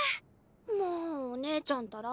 もうお姉ちゃんったら。